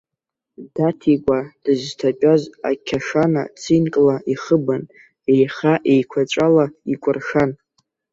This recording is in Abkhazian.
Даҭикәа дызҭатәаз ақьашана цинкла ихыбын, еиха еиқәаҵәала икәыршан.